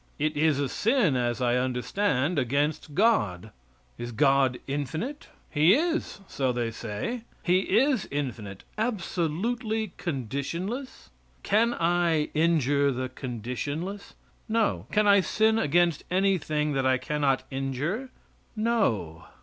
It is a sin, as I understand, against God. Is God infinite? He is, so they say; He is infinite; absolutely conditionless? Can I injure the conditionless? No. Can I sin against anything that I cannot injure? No.